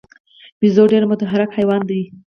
بیزو ډېر متحرک حیوان دی.